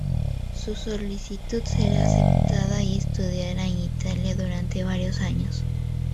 Su solicitud será aceptada y estudiará en Italia durante varios años.